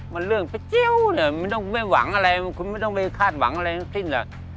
มันเรื่องไปเจ๊าไม่ต้องคุณไปหวังอะไรคุณไม่ต้องเลยคาดหวังอะไรมันขึ้นแหละ